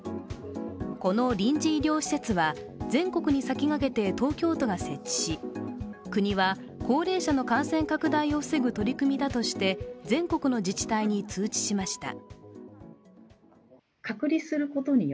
この臨時医療施設は全国に先駆けて東京都が設置し、国は高齢者の感染拡大を防ぐ取り組みだとして全国の自治体に通知しました。